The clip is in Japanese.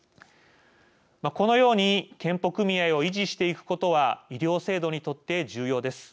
このように健保組合を維持していくことは医療制度にとって重要です。